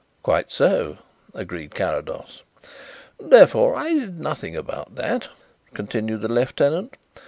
"Quite so," agreed Carrados. "Therefore I did nothing about that," continued the lieutenant.